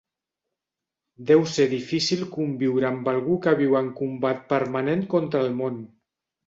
Deu ser difícil conviure amb algú que viu en combat permanent contra el món.